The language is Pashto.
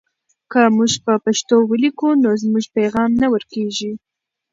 که موږ په پښتو ولیکو نو زموږ پیغام نه ورکېږي.